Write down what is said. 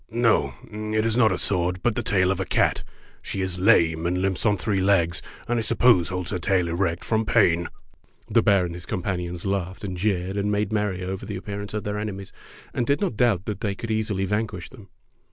No, it is not a sword, but the tail of the cat. She is lame and limps on three legs and I suppose holds her tail erect from pain." The bear and his companions laughed and jeered and made merry over the appearance of their enemies and did not doubt that they could easily vanquish them.